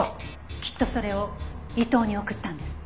きっとそれを伊藤に送ったんです。